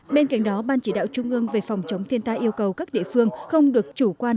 bên cạnh đó ban chỉ đạo trung ương về phòng chống thiên tai yêu cầu các địa phương không được chủ quan